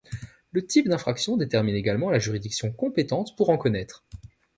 Le type d'infraction détermine également la juridiction compétente pour en connaître.